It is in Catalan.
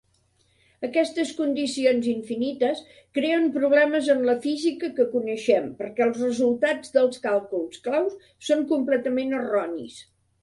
Aquestes condicions infinites creen problemes en la física que coneixem, perquè els resultats dels càlculs clau són completament erronis.